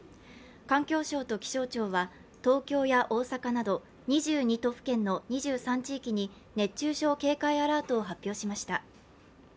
環境省と気象庁は東京や大阪など２２都府県の２３地域に熱中症警戒アラートを発表しました。